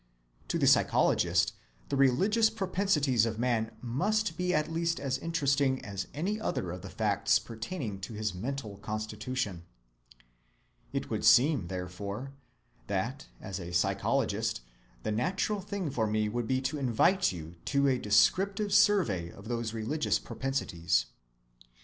To the psychologist the religious propensities of man must be at least as interesting as any other of the facts pertaining to his mental constitution. It would seem, therefore, that, as a psychologist, the natural thing for me would be to invite you to a descriptive survey of those religious propensities.